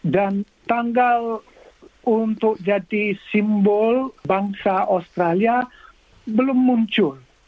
dan tanggal untuk jadi simbol bangsa australia belum muncul